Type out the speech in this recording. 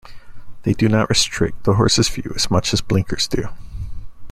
They do not restrict the horse's view as much as blinkers do.